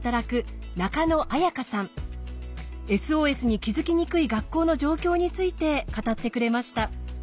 ＳＯＳに気づきにくい学校の状況について語ってくれました。